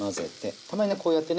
たまにねこうやってね